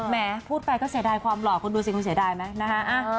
แม้พูดไปก็เสียดายความหล่อคุณดูสิคุณเสียดายไหมนะฮะ